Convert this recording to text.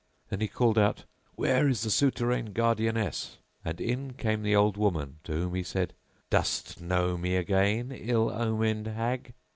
Then he called out, "Where is the souterrain guardianess? , and in came the old woman to whom he said, "Dost know me again, ill omened hag?"